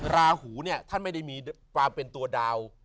ราหูเนี่ยท่านไม่ได้มีความเป็นตัวดาว